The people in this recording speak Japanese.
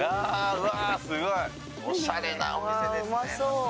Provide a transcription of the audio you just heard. すごい！おしゃれなお店ですね。